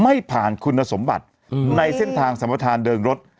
ไม่ผ่านคุณสมบัติในเส้นทางสัมประธานเดินรถ